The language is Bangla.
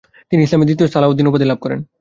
তিনি ইসলামের দ্বিতীয় সালাহ উদ্দিন উপাধি লাভ করেন।